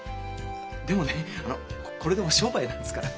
でもねあのこれでも商売なんですから。